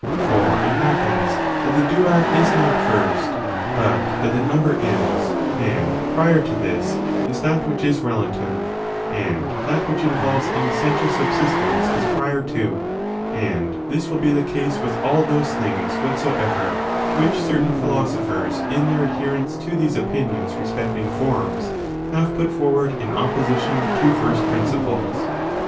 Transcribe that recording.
For it happens that the duad is not first, but that the number is; and prior to this is that which is relative, and that which involves an essential subsistence is prior too; and this will be the case with all those things whatsoever which certain philosophers, in their adherence to these opinions respecting forms, have put forward in oppo sition to first principles.